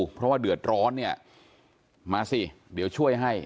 เพราะว่าเดือดร้อนเนี่ยมาสิเดี๋ยวช่วยให้